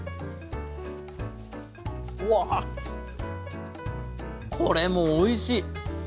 うわこれもおいしい！